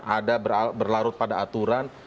ada berlarut pada aturan